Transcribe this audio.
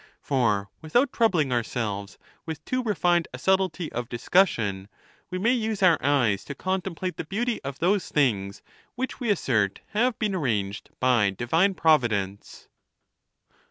For without troub ling ourselves with too refined a subtlety of discussion, we may use our eyes to contemplate the beauty of those things which we assert have been arranged by divine providence.